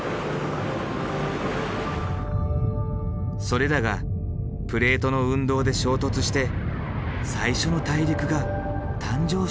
それらがプレートの運動で衝突して最初の大陸が誕生したのではないか。